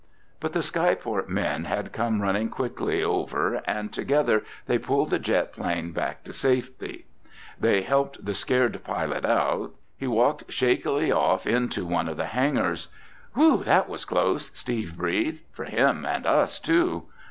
But the skyport men had come running quickly over and together they pulled the jet plane back to safety. They helped the scared pilot out. He walked shakily off into one of the hangars. "Whew! That was close!" Steve breathed. "For him and us, too!"